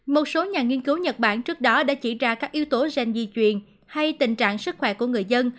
một số nhà nghiên cứu nhật bản trước đó đã chỉ ra các yếu tố gen di truyền hay tình trạng sức khỏe của người dân